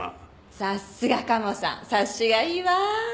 さすがカモさん察しがいいわ。